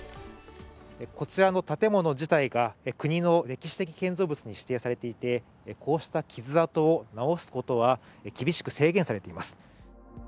こちらの建物自体が国の歴史的建造物に指定されていてこうした傷痕を直すことは厳しく制限されています。